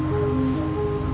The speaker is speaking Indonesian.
berubah aja semua